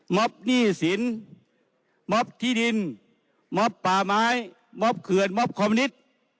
หนี้สินมอบที่ดินมอบป่าไม้มอบเขื่อนมอบคอมนิต